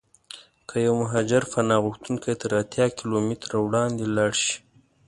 که یو مهاجر پناه غوښتونکی تر اتیا کیلومترو وړاندې ولاړشي.